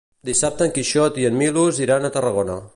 Dissabte en Quixot i en Milos iran a Tarragona.